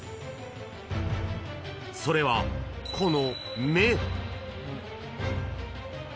［それはこの］